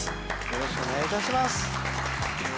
よろしくお願いします。